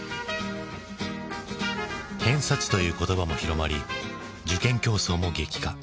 「偏差値」という言葉も広まり受験競争も激化。